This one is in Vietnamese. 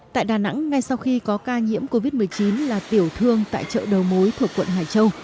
tại đà nẵng ngay sau khi có ca nhiễm covid một mươi chín là tiểu thương tại chợ đầu mối thuộc quận hải châu